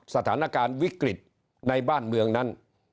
สถานการณ์วิกฤตในบ้านเมืองนั้น